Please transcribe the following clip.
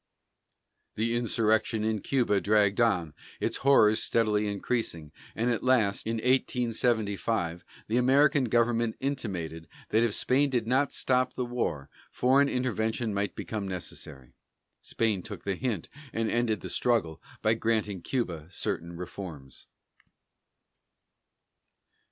The insurrection in Cuba dragged on, its horrors steadily increasing, and at last, in 1875, the American government intimated that if Spain did not stop the war, foreign intervention might become necessary. Spain took the hint and ended the struggle by granting Cuba certain reforms.